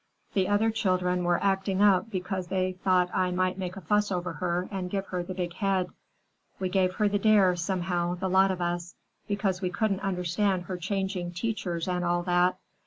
"The other children were acting up because they thought I might make a fuss over her and give her the big head. We gave her the dare, somehow, the lot of us, because we couldn't understand her changing teachers and all that.